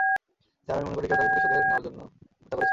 Sir, আমি মনে করি কেউ তাকে প্রতিশোধের নেওয়ার জন্য হত্যা করেছে।